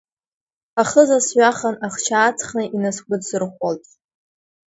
Ахыза сҩахан, ахчы ааҵхны инасгәыдсырӷәӷәалт.